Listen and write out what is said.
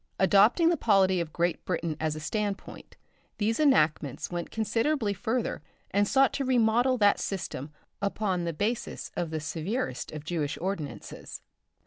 Adopting the polity of Great Britain as a standpoint, these enactments went considerably further and sought to remodel that system upon the basis of the severest of Jewish ordinances.